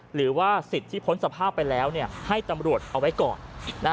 หรือว่าสิทธิ์ที่พ้นสภาพไปแล้วให้ตำรวจเอาไว้ก่อน